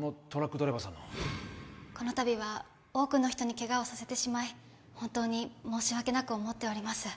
ドライバーさんのこの度は多くの人にケガをさせてしまい本当に申し訳なく思っております